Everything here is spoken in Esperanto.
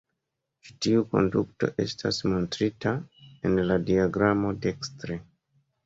Ĉi tiu konduto estas montrita en la diagramo dekstre.